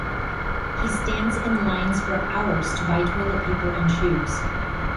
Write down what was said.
He stands in lines for hours to buy toilet paper and shoes.